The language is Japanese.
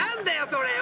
それよ。